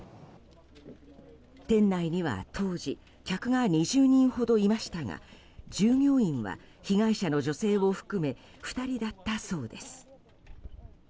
店内には当時客が２０人ほどいましたが従業員は被害者の女性を含め２人だったそうです。